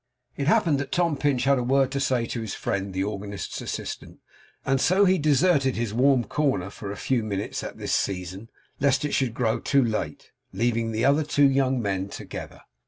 It happened that Tom Pinch had a word to say to his friend the organist's assistant, and so deserted his warm corner for a few minutes at this season, lest it should grow too late; leaving the other two young men together.